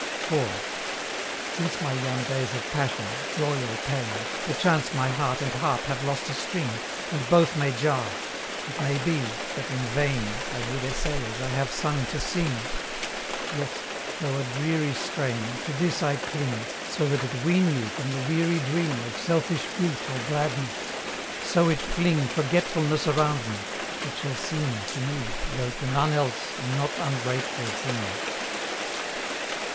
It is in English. IV. Since my young days of passion joy, or pain, Perchance my heart and harp have lost a string, And both may jar: it may be, that in vain I would essay as I have sung to sing. Yet, though a dreary strain, to this I cling, So that it wean me from the weary dream Of selfish grief or gladness so it fling Forgetfulness around me it shall seem To me, though to none else, a not ungrateful theme.